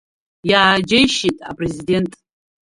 Иааџьеишьеит Апрезидент.